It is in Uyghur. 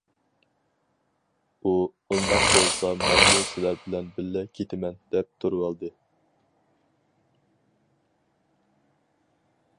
ئۇ:« ئۇنداق بولسا مەنمۇ سىلەر بىلەن بىللە كېتىمەن»، دەپ تۇرۇۋالدى.